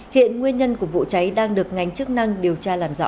hiện nguyên nhân của vụ cháy đang được ngành chức năng điều tra làm rõ